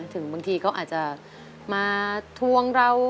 บางทีเขาอาจจะมาทวงเรา